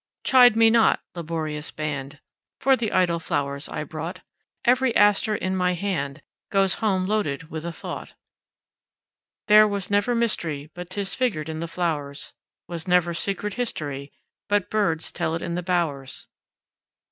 Chide me not, laborious band, For the idle flowers I brought; Every aster in my handGoes home loaded with a thought. There was never mysteryBut 'tis figured in the flowers; SWas never secret historyBut birds tell it in the bowers.